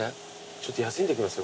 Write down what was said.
ちょっと休んでいきます？